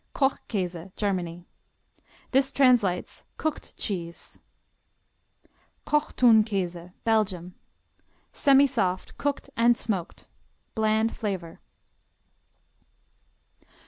Koch Käse Germany This translates "cooked cheese." Kochtounkäse Belgium Semisoft, cooked and smoked. Bland flavor.